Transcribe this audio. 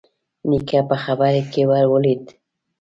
نيکه په خبره کې ور ولوېد: